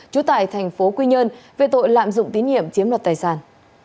trú tại tp hcm về tội lạm dụng tín hiểm chiếm đoạt tài sản